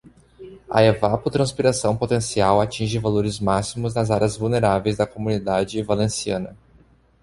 A evapotranspiração potencial atinge valores máximos nas áreas vulneráveis da Comunidade Valenciana.